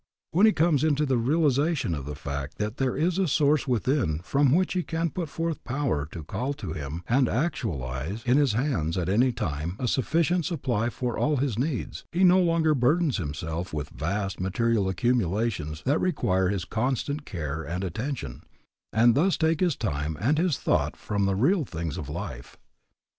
When he comes into the realization of the fact that there is a source within from which he can put forth a power to call to him and actualize in his hands at any time a sufficient supply for all his needs, he no longer burdens himself with vast material accumulations that require his constant care and attention, and thus take his time and his thought from the real things of life.